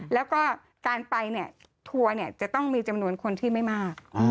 แล้วก็การไปเนี่ยทัวร์จะต้องมีจำนวนคนที่ไม่มาก